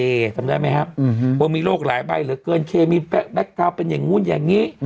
จำได้ไหมครับว่ามีโรคหลายใบเหลือเกินเคมีแบ็คทาวน์เป็นอย่างนู้นอย่างนี้